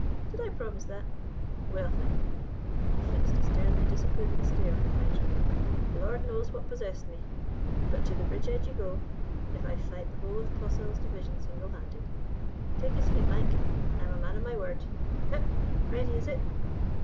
"Did I promise that? Well, then" he fixed a sternly disapproving stare on the Frenchman "the Lord knows what possessed me; but to the bridgehead you go, if I fight the whole of Clausel's division single handed. Take his feet, Mike; I'm a man of my word. Hep! ready is it?